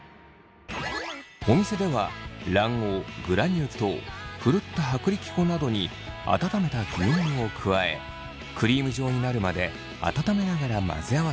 お店では卵黄グラニュー糖ふるった薄力粉などに温めた牛乳を加えクリーム状になるまで温めながら混ぜ合わせます。